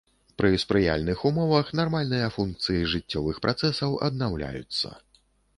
Пры спрыяльных умовах нармальныя функцыі жыццёвых працэсаў аднаўляюцца.